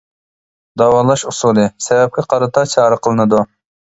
داۋالاش ئۇسۇلى : سەۋەبكە قارىتا چارە قىلىنىدۇ.